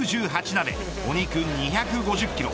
鍋お肉２５０キロ